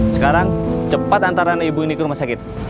sekarang cepat antar anak ibu ini ke rumah sakit